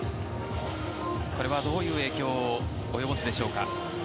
これは、どういう影響を及ぼすでしょうか。